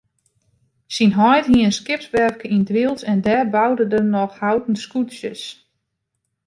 Syn heit hie in skipswerfke yn Drylts en dêr boude er noch houten skûtsjes.